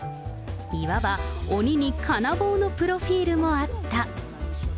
いわば鬼に金棒のプロフィールもあった。